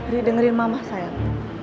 ri dengerin mama sayang